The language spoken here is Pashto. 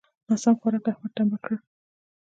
ناسم خوارک؛ احمد ټمبه کړ.